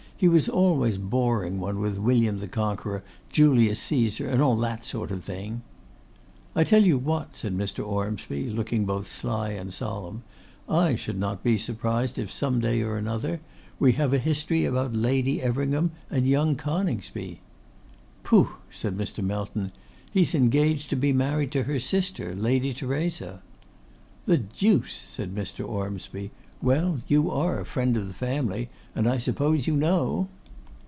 He was always boring one with William the Conqueror, Julius Caesar, and all that sort of thing.' 'I tell you what,' said Mr. Ormsby, looking both sly and solemn, 'I should not be surprised if, some day or another, we have a history about Lady Everingham and young Coningsby.' 'Poh!' said Mr. Melton; 'he is engaged to be married to her sister, Lady Theresa.' 'The deuce!' said Mr. Ormsby; 'well, you are a friend of the family, and I suppose you know.